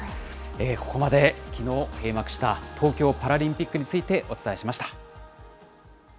ここまできのう閉幕した、東京パラリンピックについてお伝えしました。